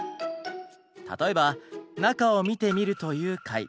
例えば「中を見てみる」という回。